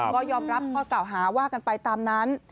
ก็ยอมรับข้อเก่าหาว่ากันไปตามนั้น